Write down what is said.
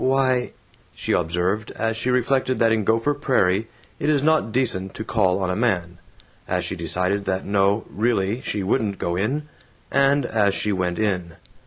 "W why " she observed, as she reflected that in Gopher Prairie it is not decent to call on a man; as she decided that no, really, she wouldn't go in; and as she went in.